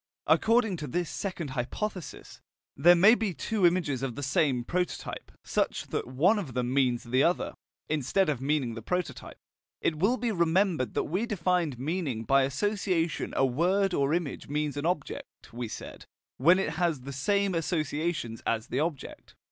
According to this second hypothesis, there may be two images of the same prototype, such that one of them means the other, instead of meaning the prototype. It will be remembered that we defined meaning by association a word or image means an object, we said, when it has the same associations as the object.